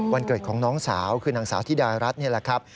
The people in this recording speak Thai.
วันเกิดของน้องสาวคือนางสาวธิดารัฐนี่แหละครับ